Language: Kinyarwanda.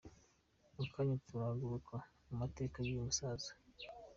Mu kanya turagaruka ku mateka y’uyu musaza….